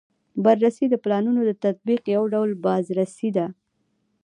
بررسي د پلانونو د تطبیق یو ډول بازرسي ده.